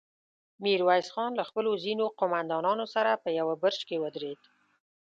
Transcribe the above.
ميرويس خان له خپلو ځينو قوماندانانو سره په يوه برج کې ودرېد.